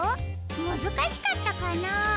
むずかしかったかな？